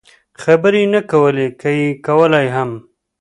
خبرې یې نه کولې، که یې کولای هم.